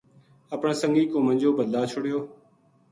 اپنا سنگی کو منجو بدلا چھڑیو